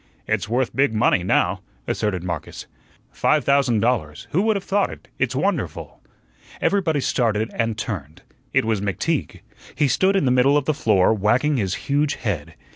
"It's worth big money now," asserted Marcus. "Five thousand dollars. Who would have thought it? It's wonderful." Everybody started and turned. It was McTeague. He stood in the middle of the floor, wagging his huge head.